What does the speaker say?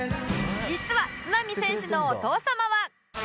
実は都並選手のお父様は